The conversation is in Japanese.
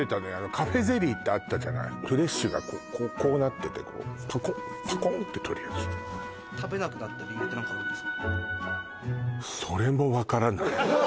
カフェゼリーってあったじゃないフレッシュがこうなっててこうパコンパコンってとるやつやりますよ小里誠さんです